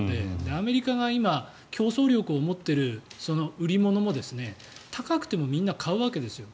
アメリカが今競争力を持っている売り物も高くてもみんな買うわけですよ。